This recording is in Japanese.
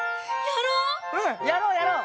やろうやろう！